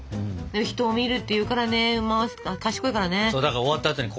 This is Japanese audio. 人を見るっていうからね馬は賢いからね。